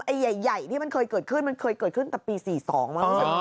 ใหญ่ที่มันเคยเกิดขึ้นมันเคยเกิดขึ้นแต่ปี๔๒มั้ง